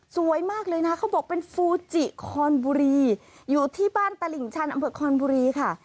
สวยมากเลยนะเขาบอกเป็นฟูจิคอนบุรีอยู่ที่บ้านตลิ่งชันอำเภอคอนบุรีค่ะ